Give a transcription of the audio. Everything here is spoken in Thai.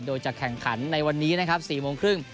โดยจะแข่งขันในวันนี้นะครับ๔โมงครึ่ง